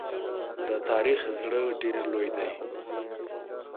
د تاریخ زړه ډېر لوی دی.